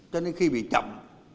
cho nên khi bị chậm